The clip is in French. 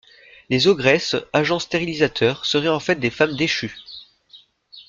Les ogresses, agents stérilisateurs, seraient en fait des femmes déchues.